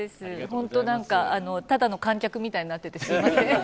本当、なんか、ただの観客みたいになっててすみません。